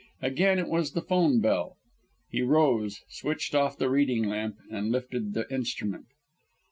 Again, it was the 'phone bell. He rose, switched off the reading lamp, and lifted the instrument.